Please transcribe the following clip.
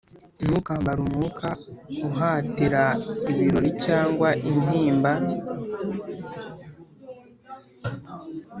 ntukambare umwuka uhatira ibirori cyangwa intimba.